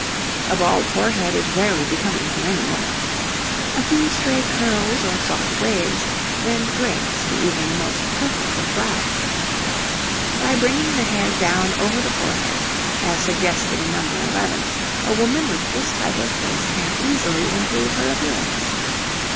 A bald forehead is rarely becoming to any woman. A few stray curls or soft waves lend grace to even the most perfect of brows. [Illustration: NO. 11] By bringing the hair down over the forehead, as suggested in No. 11, a woman with this type of face can easily improve her appearance.